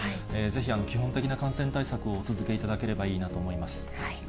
ぜひ、基本的な感染対策をお続けいただければいいなと思います。